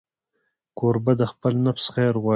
کوربه د خپل نفس خیر غواړي.